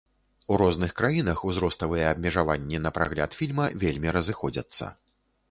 У розных краінах узроставыя абмежаванні на прагляд фільма вельмі разыходзяцца.